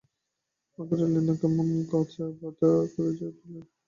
ভাগ্যের রেল-লাইন এমন কাঁচা করে পাতা যে, ডিরেলের ভয় সর্বত্রই এবং প্রতি মুহূর্তেই!